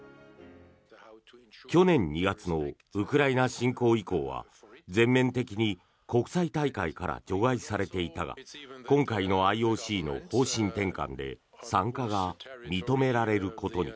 去年２月のウクライナ侵攻以降は全面的に国際大会から除外されていたが今回のＩＯＣの方針転換で参加が認められることに。